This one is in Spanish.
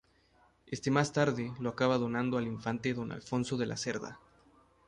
Éste más tarde lo acaba donando al Infante Don Alfonso de La Cerda.